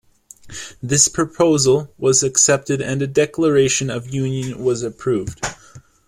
This proposal was accepted and a declaration of union was approved.